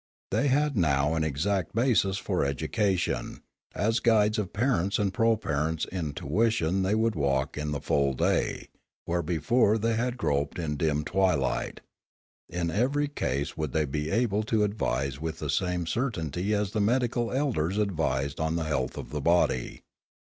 They had now an exact basis for education ; as guides of parents and proparents in tuition they would walk in the full day, where before they had groped in dim twi light; in every case would they be able to advise with the same certainty as the medical elders advised on the health of the body.